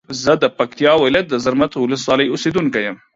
زه د پکتیا ولایت د زرمت ولسوالی اوسیدونکی یم.